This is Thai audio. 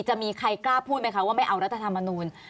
จะมีใครกล้าพูดไหมคะว่าไม่เอารัฐธรรมนูล